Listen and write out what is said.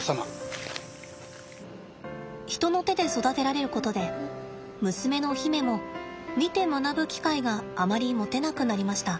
人の手で育てられることで娘の媛も見て学ぶ機会があまり持てなくなりました。